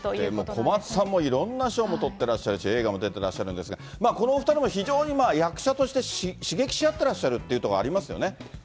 小松さんも、いろんな賞も取ってらっしゃるし、映画も出てらっしゃるんですが、このお２人も非常に役者として、刺激し合ってらっしゃるというところ、ありますよね。